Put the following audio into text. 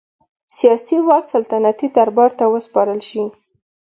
سیاسي واک سلطنتي دربار ته وسپارل شي.